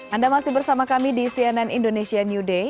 anda masih bersama kami di cnn indonesia new day